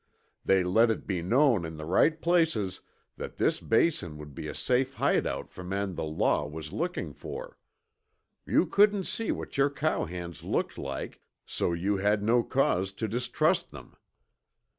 They let it be known in the right places that this Basin would be a safe hideout for men the law was looking for. You couldn't see what your cowhands looked like, so you had no cause to distrust them.